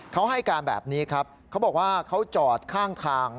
เขาให้การแบบนี้ครับเขาบอกว่าเขาจอดข้างทาง